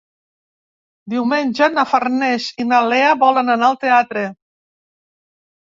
Diumenge na Farners i na Lea volen anar al teatre.